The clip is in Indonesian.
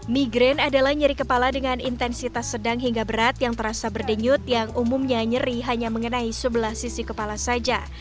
migraine adalah nyeri kepala dengan intensitas sedang hingga berat yang terasa berdenyut yang umumnya nyeri hanya mengenai sebelah sisi kepala saja